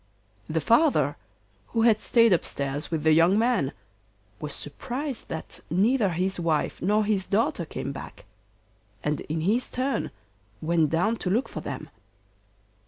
The father who had stayed upstairs with the young man was surprised that neither his wife nor his daughter came back, and in his turn went down to look for them.